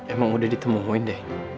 emang udah ditemuin deh